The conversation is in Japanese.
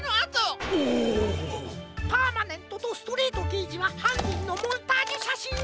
パーマネントとストレートけいじははんにんのモンタージュしゃしんを！